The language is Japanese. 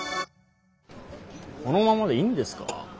このままでいいんですか？